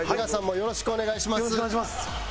よろしくお願いします。